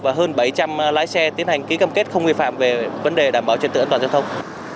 và hơn bảy trăm linh lái xe tiến hành ký cầm kết không vi phạm về vấn đề đảm bảo truyền tượng an toàn giao thông